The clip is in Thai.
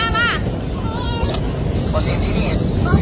สวัสดีครับ